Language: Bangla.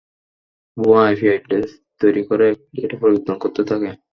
ভুয়া আইপি অ্যাড্রেস তৈরি করে এটা পরিবর্তন করতে থাকে।